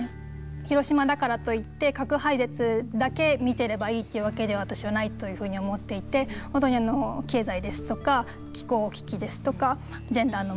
広島だからといって核廃絶だけ見てればいいというわけでは私はないというふうに思っていて本当に経済ですとか気候危機ですとかジェンダーの問題